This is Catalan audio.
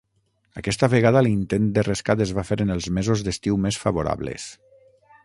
Aquesta vegada l'intent de rescat es va fer en els mesos d'estiu més favorables.